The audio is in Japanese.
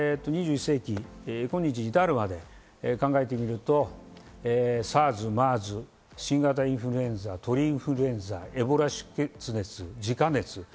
今日に至るまで考えてみると、ＳＡＲＳ、ＭＥＲＳ、新型インフルエンザ、鳥インフルエンザ、エボラ出血、熱ジカ熱。